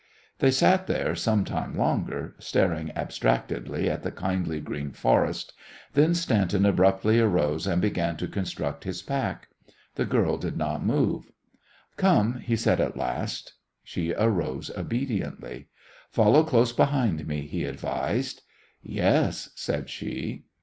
They sat there some time longer, staring abstractedly at the kindly green forest; then Stanton abruptly arose and began to construct his pack. The girl did not move. "Come," he said at last. She arose obediently. "Follow close behind me," he advised. "Yes," said she.